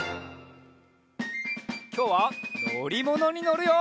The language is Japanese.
きょうはのりものにのるよ！